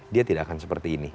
dia tidak akan seperti ini